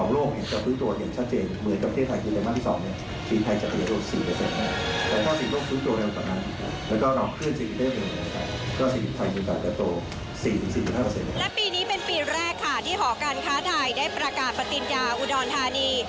และปีนี้เป็นปีแรกค่ะที่หอการค้าไทยได้ประกาศปฏิญญาอุดรธานี